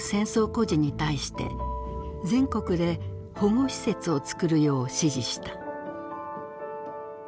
孤児に対して全国で保護施設をつくるよう指示した。